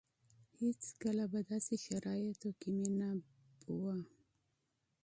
هېڅکله په داسې شرايطو کې مې نه بوه.